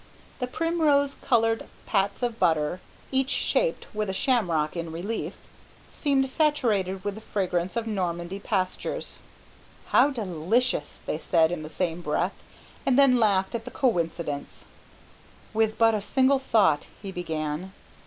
The primrose coloured pats of butter, each stamped with a shamrock in relief, seemed saturated with the fragrance of Normandy pastures. "How delicious!" they said in the same breath, and then laughed at the coincidence. "With but a single thought," he began.